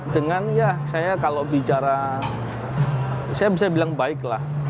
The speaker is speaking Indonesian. dengan ya saya kalau bicara saya bisa bilang baiklah